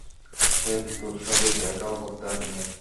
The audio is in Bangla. সে তোর সাথে দেখাও করতে আসেনি!